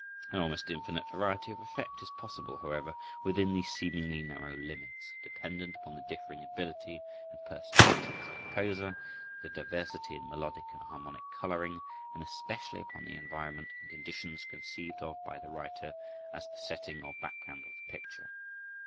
An almost infinite variety of effect is possible, however, within these seemingly narrow limits, dependent upon the differing ability and personality of the composer, the diversity in melodic and harmonic coloring, and especially upon the environment and conditions conceived of by the writer as the setting or background of the picture.